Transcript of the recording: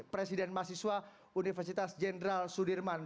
presiden mahasiswa universitas jenderal sudirman